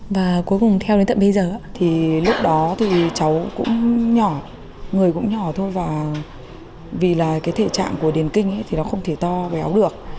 vì là cái thể trạng của điền kinh thì nó không thể to béo được